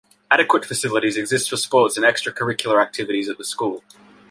Adequate facilities exist for sports and extra-curricular activities at the school.